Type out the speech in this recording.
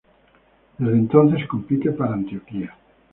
Desde entonces compite para Antioquia.